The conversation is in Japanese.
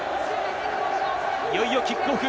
いよいよキックオフ。